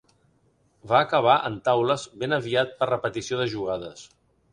Va acabar en taules ben aviat per repetició de jugades.